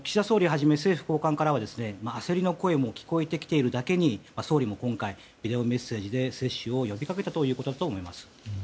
総理をはじめ政府高官からは焦りの声も聞こえてきているだけに総理も今回ビデオメッセージで接種を呼びかけたということだと思います。